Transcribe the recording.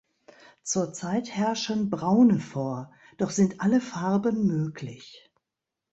Zurzeit herrschen Braune vor, doch sind alle Farben möglich.